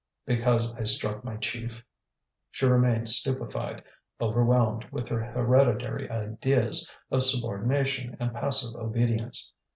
"Because I struck my chief." She remained stupefied, overwhelmed, with her hereditary ideas of subordination and passive obedience.